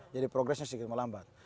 jadi progresnya sedikit melambat